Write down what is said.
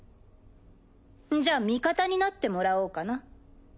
じゃあ味方になってもらおうかな。